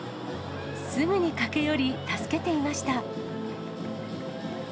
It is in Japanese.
すぐに駆け寄り助けていました。